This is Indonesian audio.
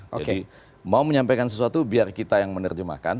jadi mau menyampaikan sesuatu biar kita yang menerjemahkan